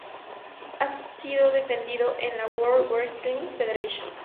Ha sido defendido en la World Wrestling Federation.